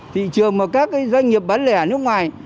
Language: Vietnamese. thị trường mà các doanh nghiệp bán lẻ nước ngoài